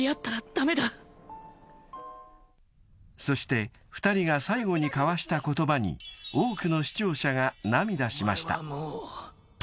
［そして２人が最後に交わした言葉に多くの視聴者が涙しました］